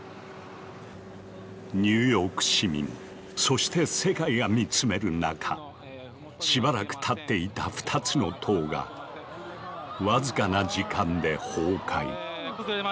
ニューヨーク市民そして世界が見つめる中しばらく立っていた２つの棟が僅かな時間で崩壊。